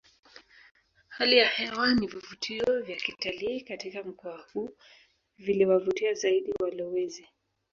Hali ya hewa na vivutio vya kitalii katika mkoa huu viliwavutia zaidi walowezi